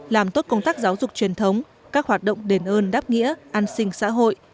làm tốt công tác giáo dục truyền thống các hoạt động đền ơn đáp nghĩa an sinh xã hội